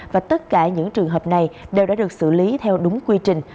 và tất cả những trường hợp này đều đã được xử lý theo đúng quy trình